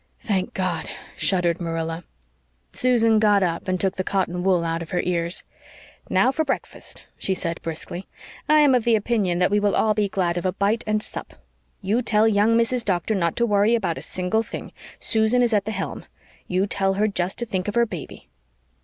"Thank God," shuddered Marilla. Susan got up and took the cotton wool out of her ears. "Now for breakfast," she said briskly. "I am of the opinion that we will all be glad of a bite and sup. You tell young Mrs. Doctor not to worry about a single thing Susan is at the helm. You tell her just to think of her baby."